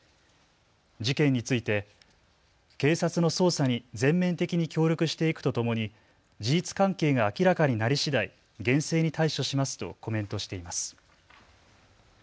事件について警察の捜査に全面的に協力していくとともに事実関係が明らかになりしだい厳正に対処しますとコメントしています。